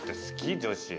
女子。